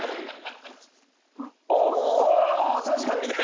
ああ確かにね。